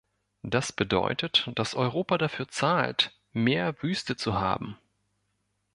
Das bedeutet, dass Europa dafür zahlt, mehr Wüste zu haben.